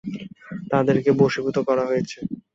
তাদেরকে বশীভূত করা হয়েছে।